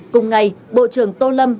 cùng ngày bộ trưởng tô lâm